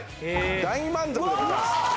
大満足でございます。